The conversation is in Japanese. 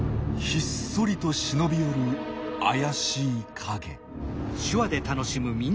ひっそりと忍び寄る怪しい影。